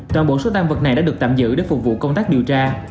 toàn bộ số tan vật này đã được tạm giữ để phục vụ công tác điều tra